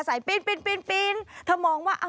ใส่ปีนถ้ามองว่า